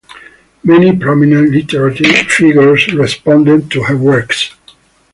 Many prominent literary figures responded to her works.